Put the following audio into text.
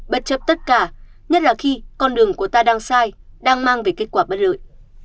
bất chấp tất cả nhất là khi con đường của ta đang sai đang mang về kết quả bất lợi